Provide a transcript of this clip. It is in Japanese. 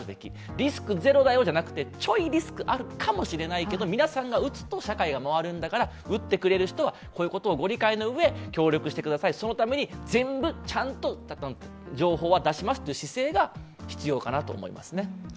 リスクゼロだよではなくて、ちょいリクはあるかもしれないけど、皆さんが打つと社会が回るんだから、打ってくれる人はこういうことをご理解のうえ協力してください、そのために全部ちゃんと情報は出しますという姿勢は必要だと思います。